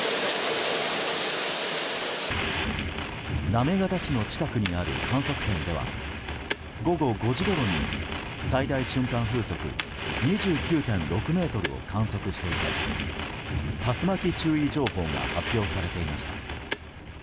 行方市の近くにある観測点では午後５時ごろに最大瞬間風速２９．６メートルを観測していて竜巻注意情報が発表されていました。